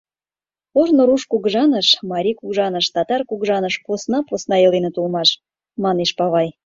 Ожно руш кугыжаныш, марий кугыжаныш, татар кугыжаныш посна-посна иленыт улмаш, — манеш павай.